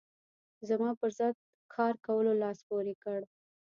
زما پر ضد کار کولو لاس پورې کړ.